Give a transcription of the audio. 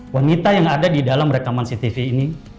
wanita yang ada di dalam rekaman cctv ini